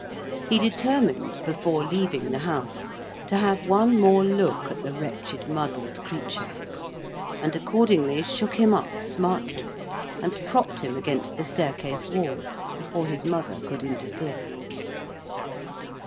He determined, before leaving the House, to have one more look at the wretched muddled creature; and accordingly shook him up smartly, and propped him against the staircase wall, before his mother could interfere.